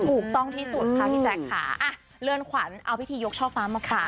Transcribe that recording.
ถูกต้องที่สุดค่ะพี่แจ๊คค่ะอ่ะเรือนขวัญเอาพิธียกช่อฟ้ามาขาย